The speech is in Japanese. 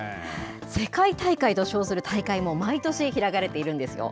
世界大会と称する大会も毎年開かれているんですよ。